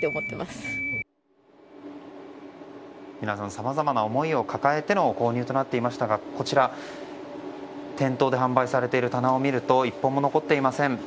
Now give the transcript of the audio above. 皆さん、さまざまな思いを抱えての購入となっていましたがこちら、店頭で販売されている棚を見ると１本も残っていません。